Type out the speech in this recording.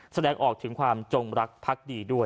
แสดงออกถึงความจงรักพักดีด้วย